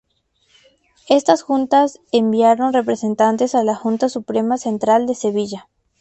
Estas juntas enviaron representantes a la Junta Suprema Central de Sevilla.